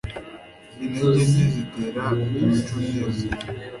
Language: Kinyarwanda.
intege nke zitera imico myiza